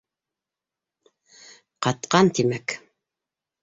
Ҡатҡан, тимәк.